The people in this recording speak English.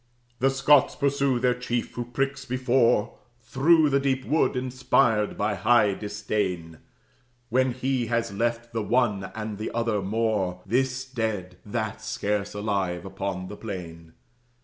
The Scots pursue their chief, who pricks before, Through the deep wood, inspired by high disdain, When he has left the one and the other Moor, This dead, that scarce alive, upon the plain.